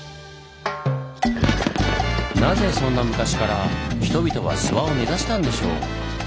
なぜそんな昔から人々は諏訪を目指したんでしょう？